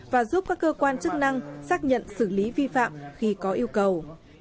và giúp các cơ quan chức năng xác nhận xử lý vi phạm khi có yêu cầu